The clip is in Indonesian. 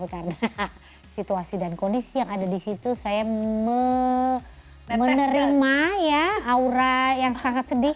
karena situasi dan kondisi yang ada di situ saya menerima aura yang sangat sedih